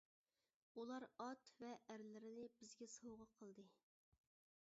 ئۇلار ئات ۋە ئەرلىرىنى بىزگە سوۋغا قىلدى.